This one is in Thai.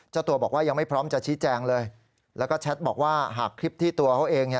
เจ้าตัวบอกว่ายังไม่พร้อมจะชี้แจงเลยแล้วก็แชทบอกว่าหากคลิปที่ตัวเขาเองเนี่ย